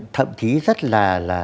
thậm chí rất là là